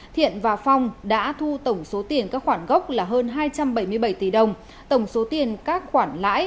thiện và phong đã thu tổng số tiền các khoản gốc là hơn hai trăm bảy mươi bảy tỷ đồng tổng số tiền các khoản lãi là hai trăm bảy mươi bảy tỷ đồng